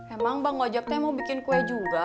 emang bang ojak tuh yang mau bikin kue juga